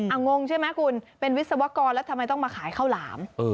งงใช่ไหมคุณเป็นวิศวกรแล้วทำไมต้องมาขายข้าวหลาม